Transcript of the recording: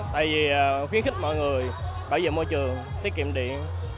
tại vì khuyến khích mọi người bảo vệ môi trường tiết kiệm điện